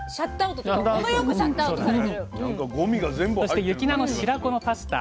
そして「雪菜と白子のパスタ」